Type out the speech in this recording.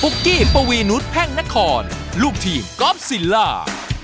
กี้ปวีนุษยแพ่งนครลูกทีมกอล์ฟซิลล่า